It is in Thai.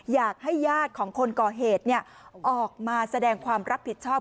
อยากให้ญาติของคนก่อเหตุออกมาแสดงความรับผิดชอบ